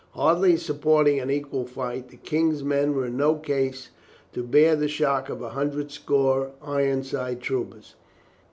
Hardly supporting an equal fight, the King's men were in no case to bear the shock of a hundred score Ironside troopers.